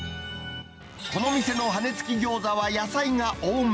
この店の羽根付き餃子は野菜が多め。